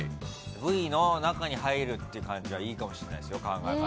Ｖの中に入るっていう感じはいいかもしんないですよ考え方。